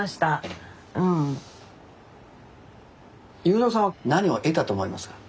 雄三さんは何を得たと思いますか？